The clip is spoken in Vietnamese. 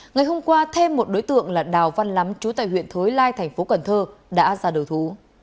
ngày hôm qua thêm một đối tượng là đào văn lắm chú tại huyện thối lai tp cn đã ra đầu thú